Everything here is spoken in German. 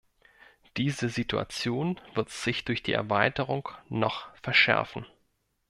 Diese Situation wird sich durch die Erweiterung noch verschärfen.